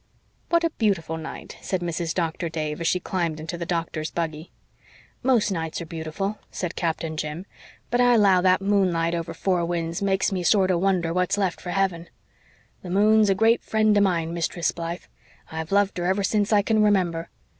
"What a beautiful night," said Mrs. Doctor Dave, as she climbed into the Doctor's buggy. "Most nights are beautiful," said Captain Jim. "But I 'low that moonlight over Four Winds makes me sorter wonder what's left for heaven. The moon's a great friend of mine, Mistress Blythe. I've loved her ever since I can remember.